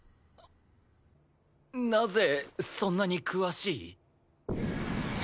なぜそんなに詳しい？